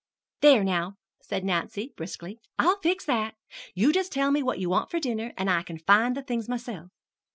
"There, now," said Nancy briskly, "I'll fix that. You just tell me what you want for dinner, and I can find the things myself."